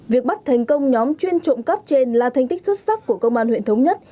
việc bắt thành công nhóm chuyên trộm cắp trên là thành tích xuất sắc của công an huyện thống nhất